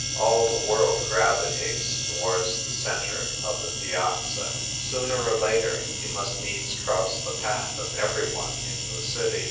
All the world gravitates towards the centre of the Piazza. Sooner or later, you must needs cross the path of everyone in the city.